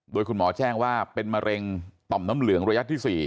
โดยคุณหมอแจ้งว่าเป็นมะเร็งต่อมน้ำเหลืองระยะที่๔